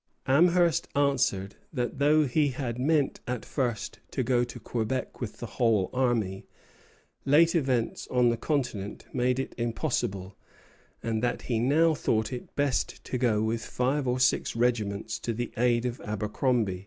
Amherst answered that though he had meant at first to go to Quebec with the whole army, late events on the continent made it impossible; and that he now thought it best to go with five or six regiments to the aid of Abercromby.